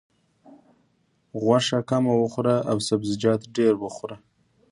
غوښه کمه وخوره او سبزیجات ډېر وخوره.